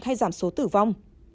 hay giảm số tử vong